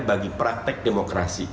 bagi praktek demokrasi